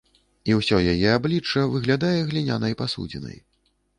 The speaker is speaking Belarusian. І ўсё яе аблічча выглядае глінянай пасудзінай.